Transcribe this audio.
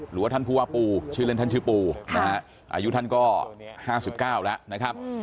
หรือว่าท่านผู้ว่าปูชื่อเล่นท่านชื่อปูนะฮะอายุท่านก็๕๙แล้วนะครับ